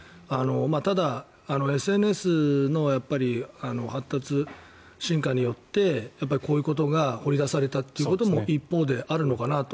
ただＳＮＳの発達・進化によってこういうことが掘り出されたということも一方であるのかなと。